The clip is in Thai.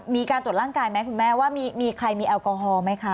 มีการตรวจร่างกายไหมคุณแม่ว่ามีใครมีแอลกอฮอล์ไหมคะ